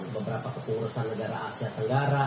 beberapa kepengurusan negara asia tenggara